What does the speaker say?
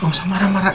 gak usah marah marah